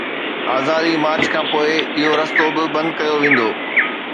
آزادي مارچ کانپوءِ اهو رستو به بند ڪيو ويندو.